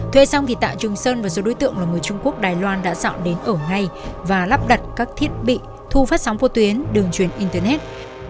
thuê xong thì tạ trung sơn và số đối tượng là người trung quốc đài loan đã dọn đến ở ngay và lắp đặt các thiết bị thu phát sóng vô tuyến đường truyền internet